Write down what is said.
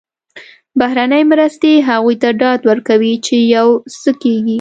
بهرنۍ مرستې هغوی ته ډاډ ورکوي چې یو څه کېږي.